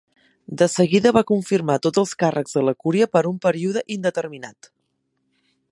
De seguida va confirmar tots els càrrecs de la cúria per un període indeterminat.